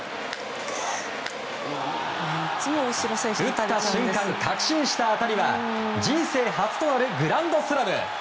打った瞬間確信した当たりは人生初となるグランドスラム！